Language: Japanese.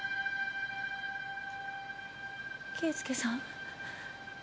圭介さん？